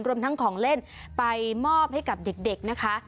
รวมทั้งของเล่นไปมอบให้กับเด็กนะคะ